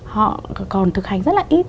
họ còn thực hành rất là ít